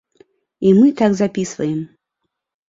І мы так запісваем.